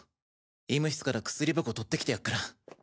医務室から薬箱取って来てやっから！